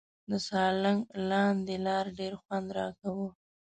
د سالنګ لاندې لار ډېر خوند راکاوه.